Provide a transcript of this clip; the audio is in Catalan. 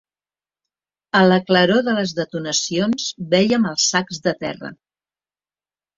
A la claror de les detonacions vèiem els sacs de terra.